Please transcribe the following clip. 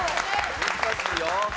難しいよ。